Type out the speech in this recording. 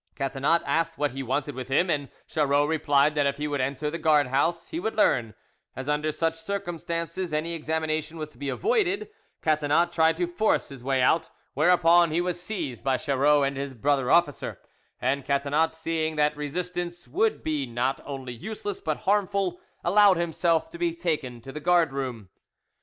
Catinat asked what he wanted with him, and Charreau replied that if he would enter the guard house he would learn; as under such circumstances any examination was to be avoided, Catinat tried to force his way out; whereupon he was seized by Charreau and his brother officer, and Catinat seeing that resistance would be not only useless but harmful, allowed himself to be taken to the guard room.